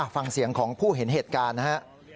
ฟังเสียงของผู้เห็นเหตุการณ์นะฮะ